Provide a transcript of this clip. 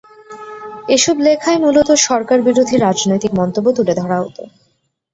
এসব লেখায় মূলত সরকার বিরোধী রাজনৈতিক মন্তব্য তুলে ধরা হত।